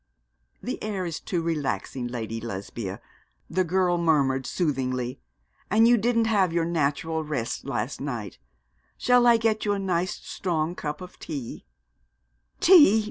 'This air is too relaxing, Lady Lesbia,' the girl murmured, soothingly; 'and you didn't have your natural rest last night. Shall I get you a nice strong cup of tea?' 'Tea!